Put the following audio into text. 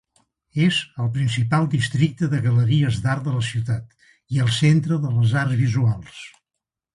És el principal districte de galeries d'art de la ciutat i el centre de les arts visuals.